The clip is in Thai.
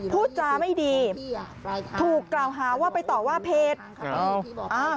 พูดจาไม่ดีถูกกล่าวหาว่าไปต่อว่าเพจ